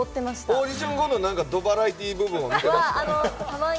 オーディション後のドバラエティー部分は見てましたか？